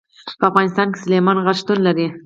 په افغانستان کې سلیمان غر شتون لري.